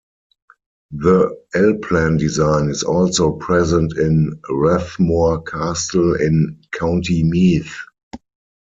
The L-plan design is also present in Rathmore Castle in County Meath.